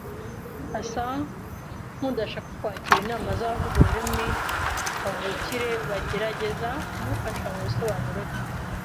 asa nkudashaka kwakira inama zabavuga ururimi kavukire bagerageza kumufasha mubisobanuro bye.